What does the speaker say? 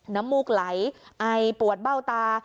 มูกไหลไอปวดเบ้าตา